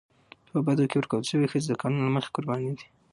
په بدو کي ورکول سوي ښځي د قانون له مخي قرباني دي.